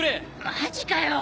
マジかよ！